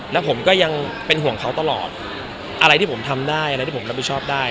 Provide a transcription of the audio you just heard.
แล้วผมก็ยังเป็นห่วงเขาตลอดอะไรที่ผมทำได้อะไรที่ผมรับผิดชอบได้